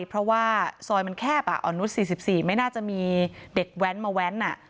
เพราะว่าซอยมันแคบอ่ะออนุสสี่สิบสี่ไม่น่าจะมีเด็กแว้นมาแว้นอ่ะ